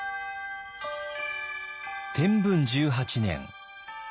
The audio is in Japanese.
天文１８年。